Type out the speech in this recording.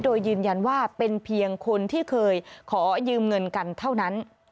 โดยยืนยันว่าเป็นเพียงคนที่เคยขอยืมเงินกันเท่านั้น